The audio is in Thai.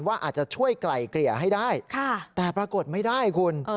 ว่าอาจจะช่วยไกล่เกลี่ยให้ได้แต่ปรากฏไม่ได้คุณ